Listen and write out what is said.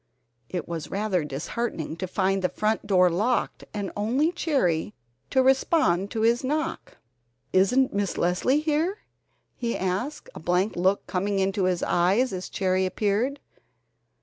It was rather disheartening to find the front door locked and only Cherry to respond to his knock. "Isn't Miss Leslie here?" he asked, a blank look coming into his eyes as Cherry appeared.